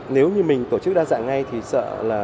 nếu như mình tổ chức đa dạng ngay thì sợ là